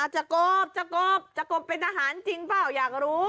จะกบจะกบจะกบเป็นทหารจริงเปล่าอยากรู้